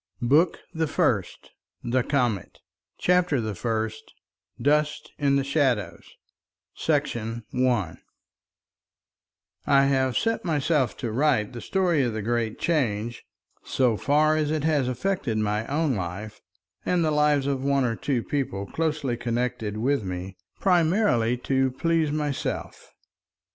BOOK THE FIRST THE COMET CHAPTER THE FIRST DUST IN THE SHADOWS § 1 I have set myself to write the story of the Great Change, so far as it has affected my own life and the lives of one or two people closely connected with me, primarily to please myself.